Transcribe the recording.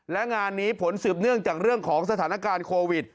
และงานนี้ผลสืบเนื่องจากเรื่องของสถานการณ์โควิด